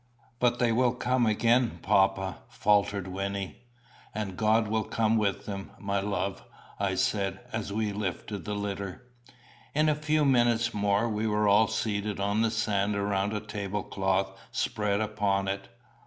"But they will come again, papa," faltered Wynnie. "And God will come with them, my love," I said, as we lifted the litter. In a few minutes more we were all seated on the sand around a table cloth spread upon it.